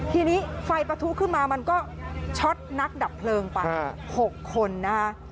ทีนี้ไฟประทุขึ้นมามันก็ช็อตนักดับเพลิงไป๖คนนะคะ